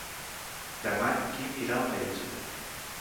Demà en Quim irà al metge.